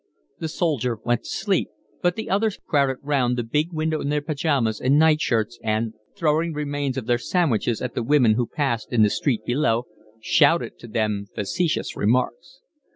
The soldier went to sleep, but the others crowded round the big window in their pyjamas and night shirts and, throwing remains of their sandwiches at the women who passed in the street below, shouted to them facetious remarks.